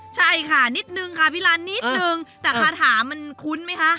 ใช่ค่ะนิดนึงค่ะพี่ลันนิดนึงแต่คาถามันคุ้นไหมคะ